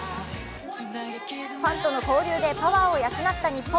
ファンとの交流でパワーを養った日本。